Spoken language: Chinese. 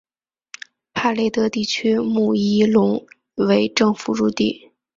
帕雷德地区穆伊隆为政府驻地。